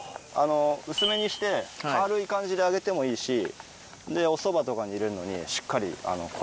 薄めにして軽い感じで揚げてもいいしでおそばとかに入れるのにしっかり濃いめにして。